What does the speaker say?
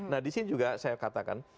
nah di sini juga saya katakan